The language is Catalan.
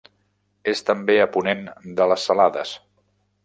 És també a ponent de les Salades.